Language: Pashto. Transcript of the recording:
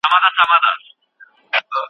ما تر اوسه داسې کيسه نه وه اورېدلې.